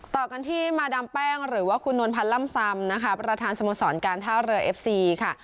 ต่อกันที่มาดามแป้งหรือว่าคุณนวลพันธ์ล่ำซำนะคะประธานสโมสรการท่าเรือเอฟซีค่ะ